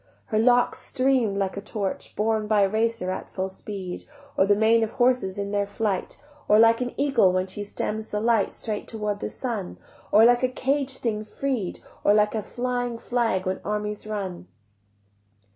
Her locks stream'd like the torch Borne by a racer at full speed, Or like the mane of horses in their flight, Or like an eagle when she stems the light Straight toward the sun, Or like a caged thing freed, Or like a flying flag when armies run.